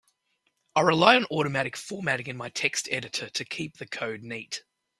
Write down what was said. I rely on automatic formatting in my text editor to keep the code neat.